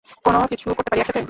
কোনও কিছু করতে পারি একসাথে?